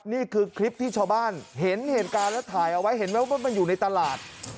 นี่คือคลิปที่ชาวบ้านเห็นเหตุการณ์แล้วถ่ายเอาไว้เห็นไหมว่ามันอยู่ในตลาด